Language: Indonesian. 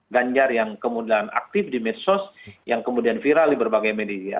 ganjar yang kemudian aktif di medsos yang kemudian viral di berbagai media